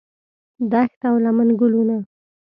دښت او لمن ګلونه